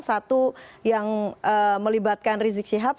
satu yang melibatkan rizik syihab